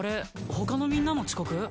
他のみんなも遅刻？